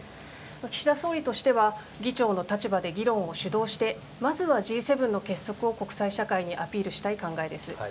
岸田総理としては、議長の立場で議論を主導して、まずはＧ７の結束を国際社会にアピールしたい考えです。